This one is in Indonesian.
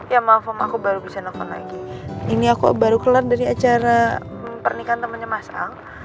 ya maaf om aku baru bisa nonton lagi ini aku baru kelar dari acara pernikahan temannya mas ang